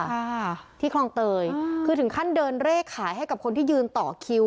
ค่ะที่คลองเตยคือถึงขั้นเดินเลขขายให้กับคนที่ยืนต่อคิว